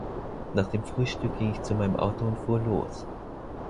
Nach dem Frühstück ging ich zu meinem Auto und fuhr los.